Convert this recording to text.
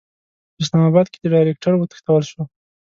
په اسلاماباد کې د ډایرکټر وتښتول شو.